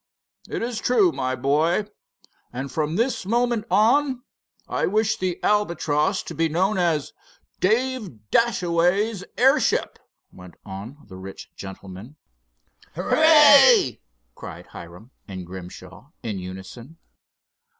"It is true, my boy, and from this moment on I wish the Albatross to be known as Dave Dashaway's airship," went on the rich gentleman. "Hooray!" cried Hiram and Grimshaw, in unison.